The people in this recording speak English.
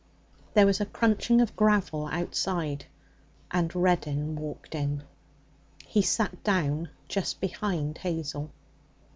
There was a crunching of gravel outside, and Reddin walked in. He sat down just behind Hazel.